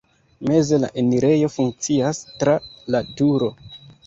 Meze la enirejo funkcias (tra la turo).